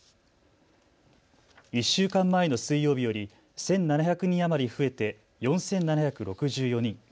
１週間前の水曜日より１７００人余り増えて４７６４人。